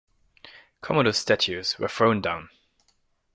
Commodus' statues were thrown down.